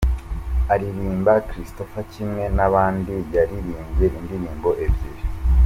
Aririmba, Christopher kimwe n’abandi, yaririmbye indirimbo ebyiri.